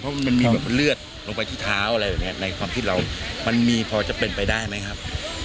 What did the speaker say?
เพราะมันมีแบบเลือดลงไปที่เท้าอะไรแบบนี้ในความคิดเรามันมีพอจะเป็นไปได้ไหมครับ